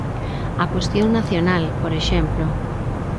A cuestión nacional, por exemplo.